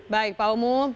baik pak omoh